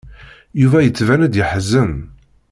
Yuba yettban-d yeḥzen.